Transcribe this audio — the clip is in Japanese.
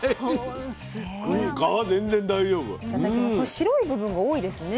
白い部分が多いですね。